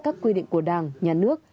các quy định của đảng nhà nước